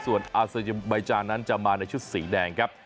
ส่วนอาเซบายจานนั้นจะมาในชุดสีแดงครับ